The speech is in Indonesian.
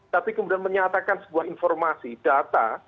tapi kemudian menyatakan sebuah informasi data